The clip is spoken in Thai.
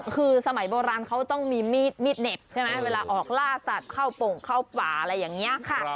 คือสมัยโบราณเขาต้องมีมีดเหน็บใช่ไหมเวลาออกล่าสัตว์เข้าโป่งเข้าป่าอะไรอย่างนี้ค่ะ